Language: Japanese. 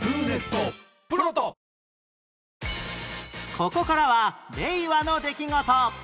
ここからは令和の出来事